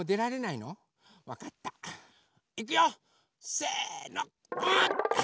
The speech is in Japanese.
いくよせのうっ！